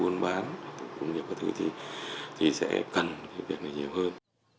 nhiều cái thứ thì sẽ cần việc này nhiều hơn